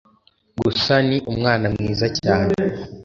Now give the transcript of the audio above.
cyusa ni umwana mwiza cyane